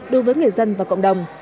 đối với nghệ dân và cộng đồng